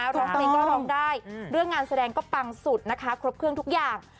ร้องเพลงก็ร้องได้เรื่องงานแสดงก็ปังสุดนะคะครบเครื่องทุกอย่าง